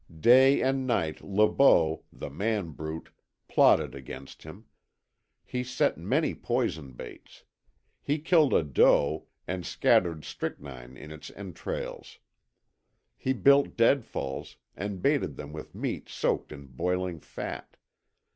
Day and night Le Beau, the man brute, plotted against him. He set many poison baits. He killed a doe, and scattered strychnine in its entrails. He built deadfalls, and baited them with meat soaked in boiling fat.